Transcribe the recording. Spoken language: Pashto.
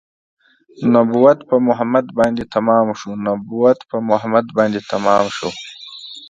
نبوت په محمد باندې تمام شو نبوت په محمد باندې تمام شو